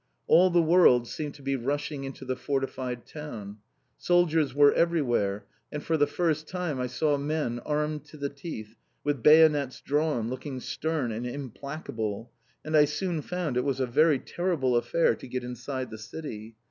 All the world seemed to be rushing into the fortified town. Soldiers were everywhere, and for the first time I saw men armed to the teeth, with bayonets drawn, looking stern and implacable, and I soon found it was a very terrible affair to get inside the city.